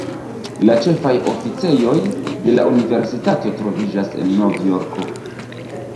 La ĉefaj oficejoj de la universitato troviĝas en Nov-Jorko.